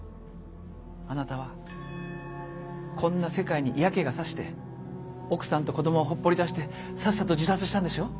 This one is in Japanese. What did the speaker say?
あなたはこんな世界に嫌気がさして奥さんと子供を放っぽり出してさっさと自殺したんでしょう？